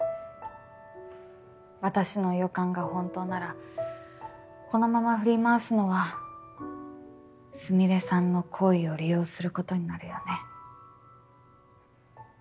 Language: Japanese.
私の予感が本当ならこのまま振り回すのはスミレさんの好意を利用することになるよね。